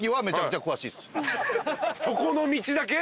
そこの道だけ？